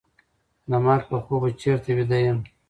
د مرګ په خوب به چېرته ویده یم